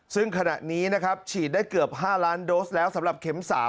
ซึ่งขณะนี้นะครับฉีดได้เกือบ๕ล้านโดสแล้วสำหรับเข็ม๓